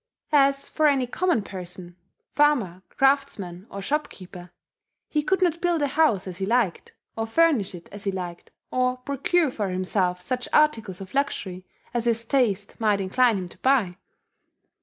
As for any common person, farmer, craftsman, or shopkeeper, he could not build a house as he liked, or furnish it as he liked, or procure for himself such articles of luxury as his taste might incline him to buy.